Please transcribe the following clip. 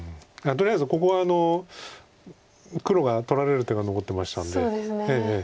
とりあえずここは黒が取られる手が残ってましたんで。